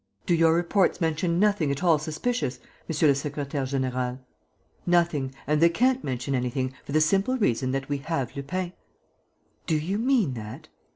"Do your reports mention nothing at all suspicious, monsieur le secrétaire; général?" "Nothing. And they can't mention anything, for the simple reason that we have Lupin." "Do you mean that?"